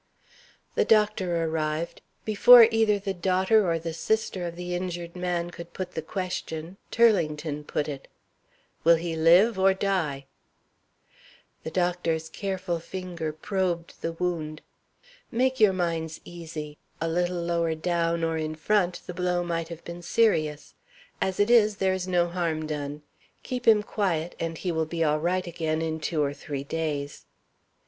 The doctor arrived. Before either the daughter or the sister of the injured man could put the question, Turlington put it "Will he live or die?" The doctor's careful finger probed the wound. "Make your minds easy. A little lower down, or in front, the blow might have been serious. As it is, there is no harm done. Keep him quiet, and he will be all right again in two or three days."